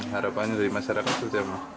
harapannya dari masyarakat selama